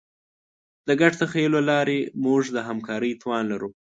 د ګډ تخیل له لارې موږ د همکارۍ توان لرو.